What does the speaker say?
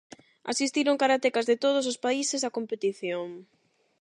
Asistiron karatekas de todos os países á competición.